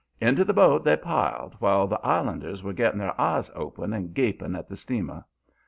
"Into the boat they piled, while the islanders were getting their eyes open and gaping at the steamer.